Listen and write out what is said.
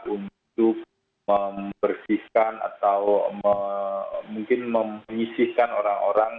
untuk membersihkan atau mungkin menyisihkan orang orang